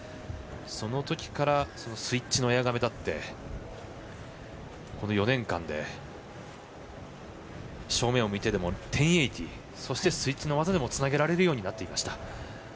そのときからスイッチのエアが目立ってこの４年間で正面を向いての１０８０そしてスイッチの技でもつなげられるようになってました。